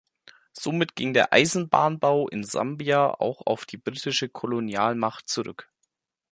Somit ging der Eisenbahnbau in Sambia auch auf die britische Kolonialmacht zurück.